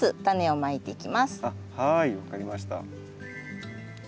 はい分かりました。